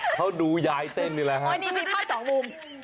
เขาดูยายเต้นแหละครับโอ้ยนี่มีข้างสองมุม